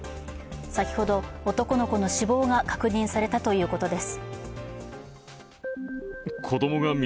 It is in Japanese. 先ほど、男の子の死亡が確認されたということです。